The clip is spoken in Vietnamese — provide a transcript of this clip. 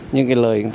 những cái lời